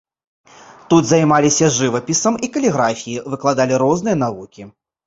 Тут займаліся жывапісам і каліграфіяй, выкладалі розныя навукі.